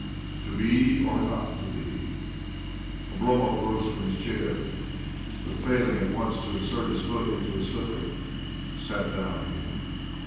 " To be or not to be." Oblomov rose from his: chair, but, failing at once to insert his foot into a slipper, sat down again.